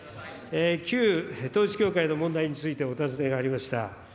旧統一教会の問題についてお尋ねがありました。